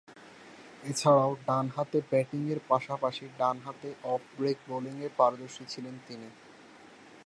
এছাড়াও, ডানহাতে ব্যাটিংয়ের পাশাপাশি ডানহাতে অফ ব্রেক বোলিংয়ে পারদর্শী ছিলেন তিনি।